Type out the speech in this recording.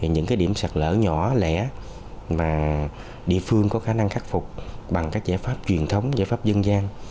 những điểm sạt lở nhỏ lẻ mà địa phương có khả năng khắc phục bằng các giải pháp truyền thống giải pháp dân gian